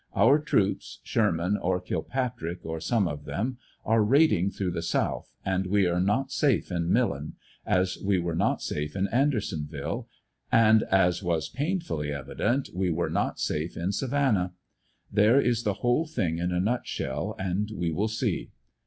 Our troops, Sherman or Kilpatrick or some of them, are raiding through the South, and we are not safe in Millen, as we were not safe in Andersonville, and as was plainly evident we were not safe in Savannah. There is the whole thing in a nutshell, and we will see.